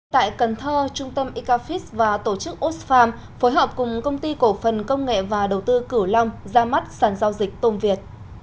tại cần thơ trung tâm icafice và tổ chức osfarm phối hợp cùng công ty cổ phần công nghệ và đầu tư cửu long ra mắt sản giao dịch tôm việt